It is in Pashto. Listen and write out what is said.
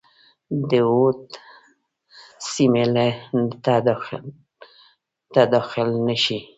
د اود سیمي ته داخل نه شي.